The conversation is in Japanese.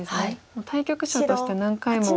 対局者としては何回も。